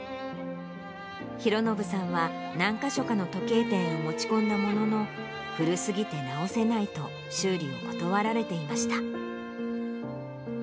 ひろのぶさんは何か所かの時計店に持ち込んだものの、古すぎて直せないと、修理を断られていました。